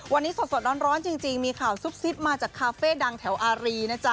วันนี้สดร้อนจริงมีข่าวซุบซิบมาจากคาเฟ่ดังแถวอารีนะจ๊ะ